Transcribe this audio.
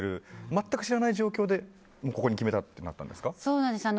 全く知らない状況でここに決めたってなったんですか。